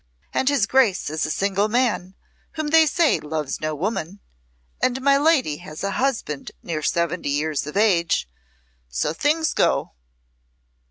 And his Grace is a single man, whom they say loves no woman and my lady has a husband near seventy years of age. So things go!"